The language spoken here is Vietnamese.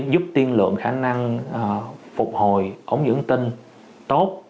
giúp tiên lượng khả năng phục hồi ống dẫn tinh tốt